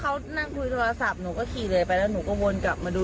เขานั่งคุยโทรศัพท์หนูก็ขี่เลยไปแล้วหนูก็วนกลับมาดู